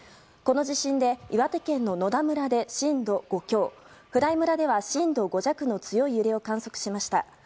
この地震で岩手県の野田村で震度５強普代村では震度５弱の強い揺れを観測しました。